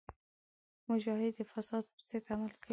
مجاهد د فساد پر ضد عمل کوي.